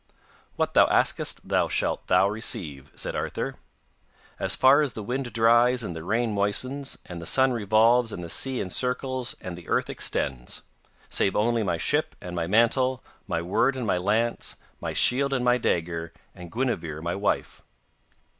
'What thou askest that shalt thou receive,' said Arthur, 'as far as the wind dries and the rain moistens, and the sun revolves and the sea encircles and the earth extends. Save only my ship and my mantle, my word and my lance, my shield and my dagger, and Guinevere my wife.